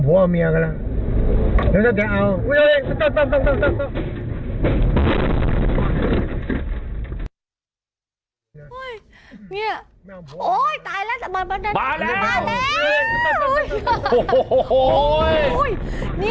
โอ้โหตายแล้วมาแล้ว